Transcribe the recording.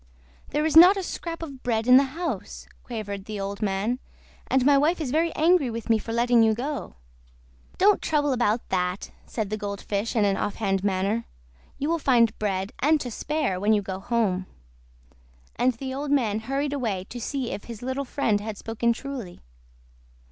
"There is not a scrap of bread in the house," quavered the old man, "and my wife is very angry with me for letting you go. "Don't trouble about that!" said the Gold Fish in an off hand manner; "you will find bread, and to spare, when you go home." And the old man hurried away to see if his little friend had spoken truly.